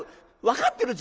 分かってる？